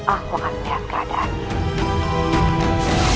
aku akan melihat keadaannya